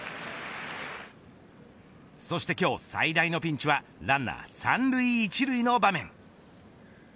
そして今日、最大のピンチはランナー３塁１塁の場面。